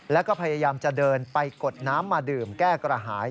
แล้วก็พยายามจะเดินไปกดน้ำมาดื่มแก้กระหาย